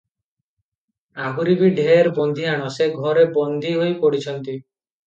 ଆହୁରି ବି ଢେର ବନ୍ଦିଆଣ ସେ ଘରେ ବନ୍ଦୀ ହୋଇ ପଡିଛନ୍ତି ।